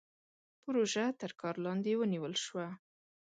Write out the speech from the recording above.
پروژه تر کار لاندې ونيول شوه.